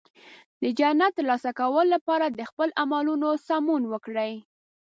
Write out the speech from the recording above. د جنت ترلاسه کولو لپاره د خپل عملونو سمون وکړئ.